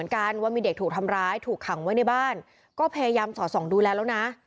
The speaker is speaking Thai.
กันว่ามีเด็กถูกทำร้ายถูกขังไว้ในบ้านก็พยายามสอดส่องดูแลแล้วนะ